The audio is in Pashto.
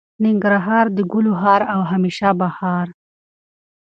ننګرهار د ګلو هار او همیشه بهار.